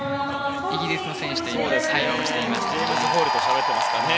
イギリスの選手と会話をしていましたね。